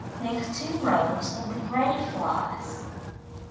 Make 2 rows of the gray floss.